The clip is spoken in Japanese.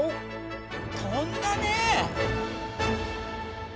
飛んだね！